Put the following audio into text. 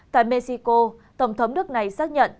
tại mexico tổng thống nước này xác nhận